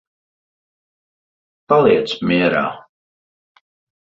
Paliec mierā.